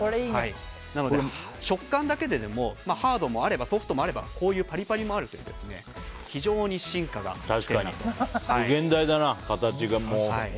なので、食感だけででもハードもあればソフトもあればこういうパリパリもあるという無限大だな、形がもう。